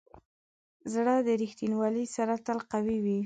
زړه د ریښتینولي سره تل قوي وي.